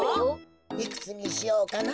いくつにしようかな。